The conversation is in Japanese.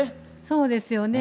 そうですよね。